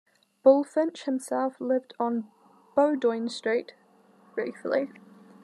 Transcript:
Bulfinch himself lived on Bowdoin Street, briefly.